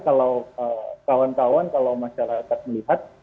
kalau kawan kawan kalau masyarakat melihat